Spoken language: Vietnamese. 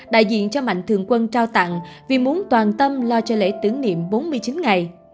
đại diện cho mạnh thường quân trao tặng vì muốn toàn tâm lo cho lễ tưởng niệm bốn mươi chín ngày